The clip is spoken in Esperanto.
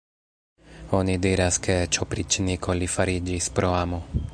Oni diras, ke eĉ opriĉniko li fariĝis pro amo.